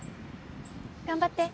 頑張って！